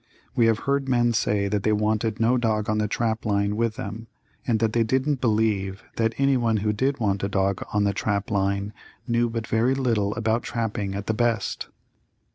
We have heard men say that they wanted no dog on the trap line with them, and that they didn't believe that any one who did want a dog on the trap line knew but very little about trapping at the best.